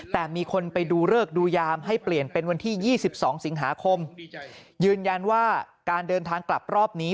แต่มีคนไปดูเลิกดูยามให้เปลี่ยนเป็นวันที่๒๒สิงหาคมยืนยันว่าการเดินทางกลับรอบนี้